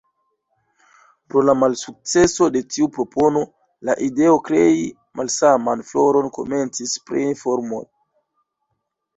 Pro la malsukceso de tiu propono, la ideo krei malsaman floron komencis preni formon.